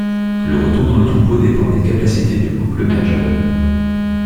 Le retour dans le troupeau dépend des capacités du couple mère jeune.